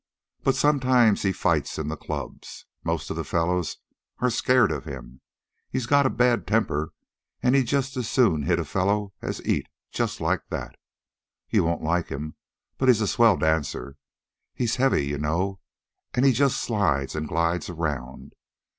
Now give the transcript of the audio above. But sometimes he fights in the clubs. Most of the fellows are scared of him. He's got a bad temper, an' he'd just as soon hit a fellow as eat, just like that. You won't like him, but he's a swell dancer. He's heavy, you know, an' he just slides and glides around.